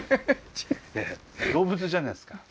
動物じゃないですか。